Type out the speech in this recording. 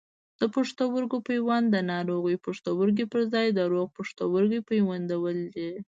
د پښتورګي پیوند د ناروغ پښتورګي پر ځای د روغ پښتورګي پیوندول دي.